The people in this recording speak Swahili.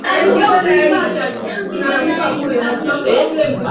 Amerika ya Kusini Imepakana na Brazil Guyana